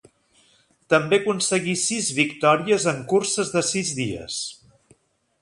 També aconseguí sis victòries en curses de sis dies.